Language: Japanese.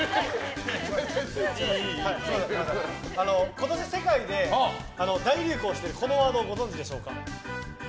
今年世界で大流行しているこのワードをご存じでしょうか。